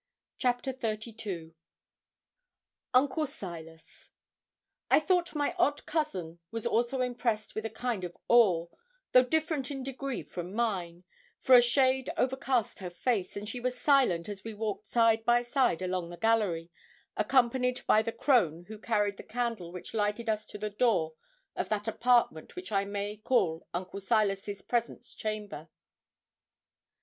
CHAPTER XXXII UNCLE SILAS I thought my odd cousin was also impressed with a kind of awe, though different in degree from mine, for a shade overcast her face, and she was silent as we walked side by side along the gallery, accompanied by the crone who carried the candle which lighted us to the door of that apartment which I may call Uncle Silas's presence chamber.